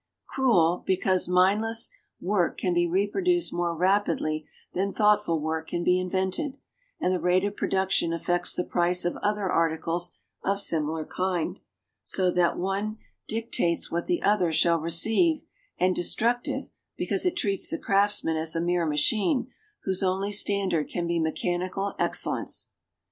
Cruel, because mindless, work can be reproduced more rapidly than thoughtful work can be invented, and the rate of production affects the price of other articles of similar kind, so that the one dictates what the other shall receive; and destructive, because it treats the craftsman as a mere machine, whose only standard can be mechanical excellence.